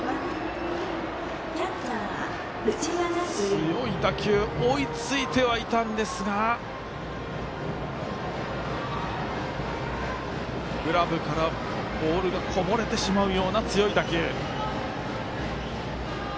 強い打球追いついてはいたんですがグラブからボールがこぼれてしまうような強い打球。